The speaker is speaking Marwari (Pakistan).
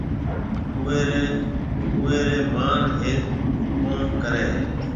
اُوئي رِي مان هيَٿ ڪوم ڪريَ هيَ۔